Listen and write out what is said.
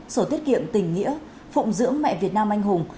sổ tiết kiệm tình nghĩa phụng dưỡng mẹ việt nam anh hùng